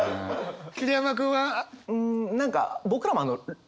桐山君は？